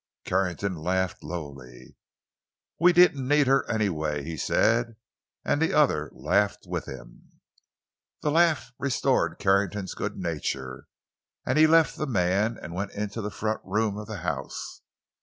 Carrington laughed lowly. "We didn't need her, anyway," he said, and the other laughed with him. The laugh restored Carrington's good nature, and he left the man and went into the front room of the house.